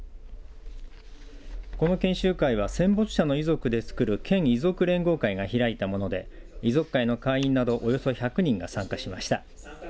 この研修会は戦没者の遺族でつくる県遺族連合会が開いたもので遺族会の会員などおよそ１００人が参加しました。